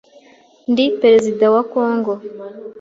ndi perezida wa Congo,